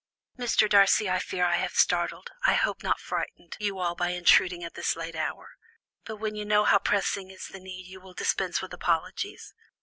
"Mr. Darcy, I fear I have startled, I hope not frightened, you all by intruding at this late hour; but when you know how pressing is the need, you will dispense with apologies.